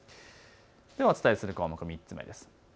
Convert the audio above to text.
お伝えする項目、３つ目です。